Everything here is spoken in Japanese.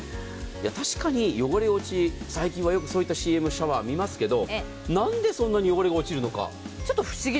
確かに汚れ落ち最近はよくそういったＣＭシャワー、見ますが何でそんなに汚れが落ちるのか。